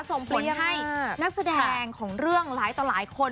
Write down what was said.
ส่งเพลงให้นักแสดงของเรื่องหลายต่อหลายคน